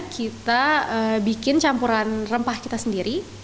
kita bikin campuran rempah kita sendiri